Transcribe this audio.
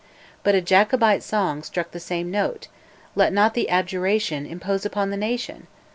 But a Jacobite song struck the same note "Let not the Abjuration Impose upon the nation!"